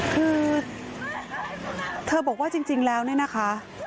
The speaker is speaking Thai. คือเธอบอกว่าจริงแล้วเนี่ยนะคะ